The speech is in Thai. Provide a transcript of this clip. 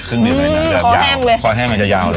อื้มมันจะยาว